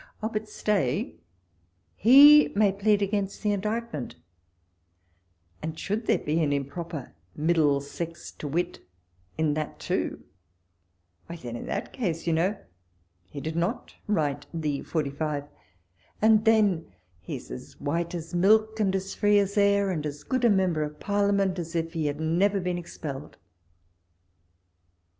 Oh ! but stay, he may plead against the indictment, and should there be an improper MiihUcscr t(i irit in that too, why then in that case, you know, he did not write the 45, and then he is as white as milk, and as free as air, and as good a member f)f Parliament as if he had never been expelled.